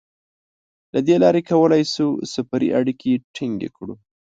له دې لارې کولای شو سفري اړیکې ټینګې کړو.